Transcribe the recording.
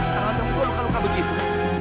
karena kamu terluka luka begitu